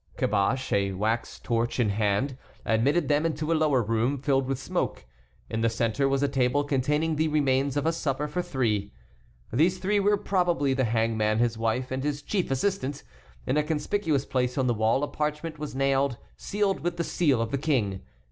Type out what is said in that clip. Caboche, a wax torch in hand, admitted them into a lower room filled with smoke. In the centre was a table containing the remains of a supper for three. These three were probably the hangman, his wife, and his chief assistant. In a conspicuous place on the wall a parchment was nailed, sealed with the seal of the King.